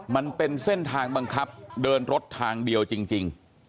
มันเป็นเส้นทางบังคับเดินรถทางเดียวจริง